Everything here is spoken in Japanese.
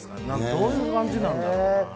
どういう感じなんだろうな。